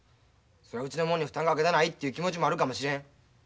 そら家のもんに負担かけたないっていう気持ちもあるかもしれん。